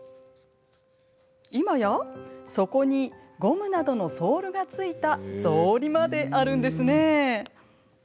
今や底にゴムなどのソールが付いた草履まであるんですね。